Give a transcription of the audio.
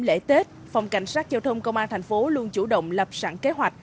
lễ tết phòng cảnh sát giao thông công an thành phố luôn chủ động lập sẵn kế hoạch